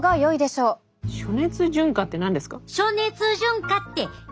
「暑熱順化」って何ですか？